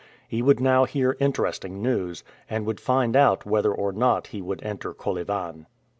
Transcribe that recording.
He would now hear interesting news, and would find out whether or not he could enter Kolyvan.